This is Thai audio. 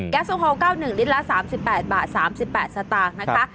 โซฮอล๙๑ลิตรละ๓๘บาท๓๘สตางค์นะคะ